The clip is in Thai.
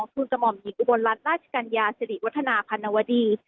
คุณกระหม่อมหญิงอุบลรัฐราชกัญญาสิริวัฒนาพันวดี